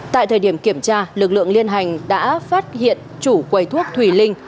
tại thời điểm kiểm tra lực lượng liên hành đã phát hiện chủ quầy thuốc thùy linh